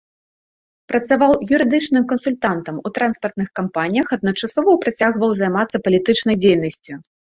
Працаваў юрыдычным кансультантам у транспартных кампаніях, адначасова працягваў займацца палітычнай дзейнасцю.